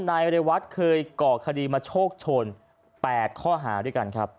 นายดายวัฒน์เคยเกาะคดีมาโชคชน๘ข้อหาด้วยกัน